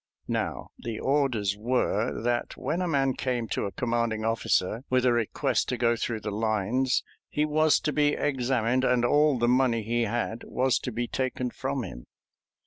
Now, the orders were that when a man came to a commanding officer with a request to go through the lines, he was to be examined and all the money he had was to be taken from him.